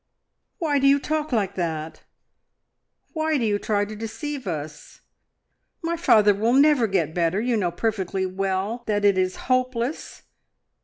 "Why do you talk like that? Why do you try to deceive us? My father will never get better. You know perfectly well that it is hopeless!"